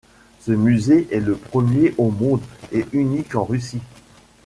Ce musée est le premier au monde et unique en Russie.